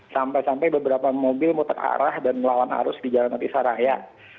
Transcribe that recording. sampai sampai beberapa mobil muter arah dan melawan arus di jalan kepisah raya